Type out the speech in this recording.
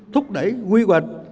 thúc đẩy huy hoạt